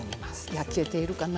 焼けているかな？